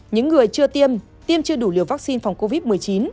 những người chưa tiêm tiêm chưa đủ liều